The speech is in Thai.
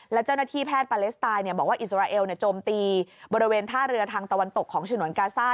และเจ้าหน้าที่แพทย์ปาเลสไตน์บอกว่าอิสราเอลโจมตีบริเวณท่าเรือทางตะวันตกของฉนวนกาซ่า